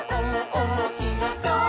おもしろそう！」